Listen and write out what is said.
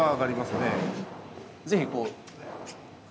ぜひこう。